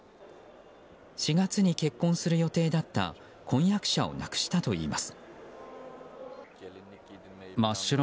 ４月に結婚する予定だった婚約者を亡くしたといいます。